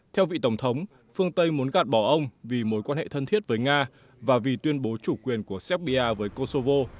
theo vị tổng thống phương tây muốn gạt bỏ ông vì mối quan hệ thân thiết với nga và vì tuyên bố chủ quyền của serbia với kosovo